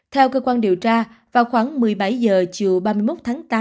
theo cơ quan điều tra vào khoảng một mươi bảy h chiều ba mươi một tháng tám